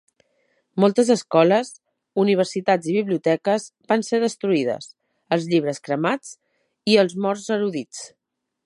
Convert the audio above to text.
Moltes escoles, universitats i biblioteques van ser destruïdes, els llibres cremats, i morts els erudits.